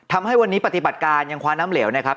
ทำให้วันนี้ปฏิบัติการยังคว้าน้ำเหลวนะครับ